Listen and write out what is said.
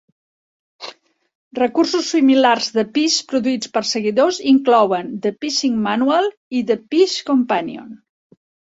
Recursos similars de Phish produïts per seguidors inclouen "The Phishing Manual" i "The Phish Companion".